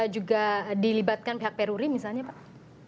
juga dilibatkan pihak peruri misalnya pak